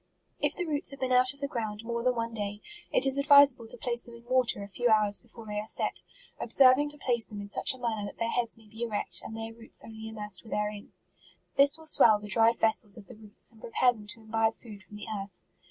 If the roots have been out of the ground MARCH. more than one day, it is advisable to place them in water a few hours before they are set, observing to place them in such a man ner that their heads may be erect, and their roots only immersed therein. This will swell the dried vessels of the roots, and pre pare them to imbibe food from the earth.